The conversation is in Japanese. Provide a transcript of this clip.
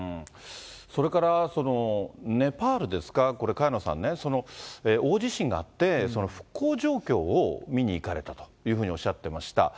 それからネパールですか、これ萱野さんね、大地震があって、復興状況を見に行かれたというふうにおっしゃっていました。